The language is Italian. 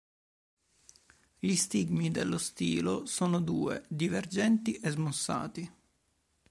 Gli stigmi dello stilo sono due divergenti e smussati.